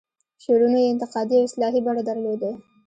شعرونو یې انتقادي او اصلاحي بڼه درلوده.